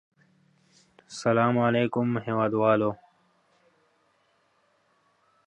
بدخشان د افغانستان د ځایي اقتصادونو بنسټ دی.